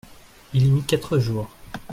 Il y mit quatre jours.